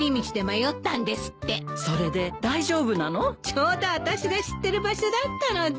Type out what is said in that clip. ちょうどあたしが知ってる場所だったので。